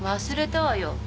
忘れたわよ。